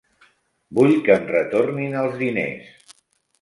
Vull que em retornin els diners.